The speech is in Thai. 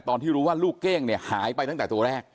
ตอนที่รู้ว่าลูกเก้งเนี่ยหายไปตั้งแต่ตัวแรก